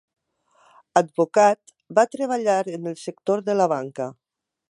Advocat, va treballar en el sector de la banca.